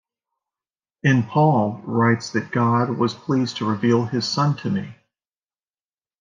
In Paul writes that God was pleased to reveal his son to me.